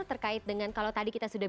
terkait dengan kalau tadi kita sudah